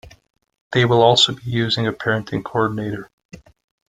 They will also be using a parenting coordinator.